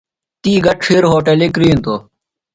تی گہ ڇِھیر ہوٹِلی کِرِینتوۡ۔